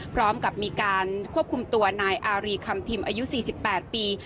พร้อมกับมีการควบคุมตัวนายอารีคำทิมอายุ๔๘ปี